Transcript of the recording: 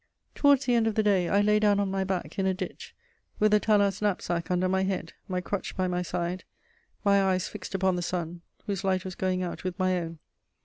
Towards the end of the day, I lay down on my back, in a ditch, with Atala's knapsack under my head, my crutch by my side, my eyes fixed upon the sun, whose light was going out with my own.